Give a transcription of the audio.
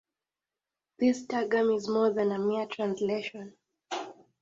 This "targum" is more than a mere translation.